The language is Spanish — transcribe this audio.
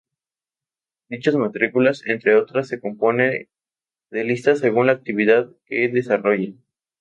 Dichas matrículas, entre otras, se componen de listas según la actividad que desarrollen.